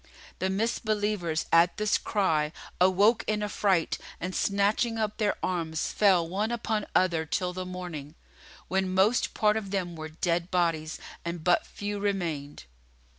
The Misbelievers at this cry awoke in affright and snatching up their arms, fell one upon other till the morning, when most part of them were dead bodies and but few remained.